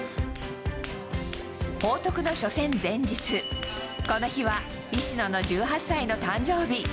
報徳の初戦前日、この日は石野の１８歳の誕生日。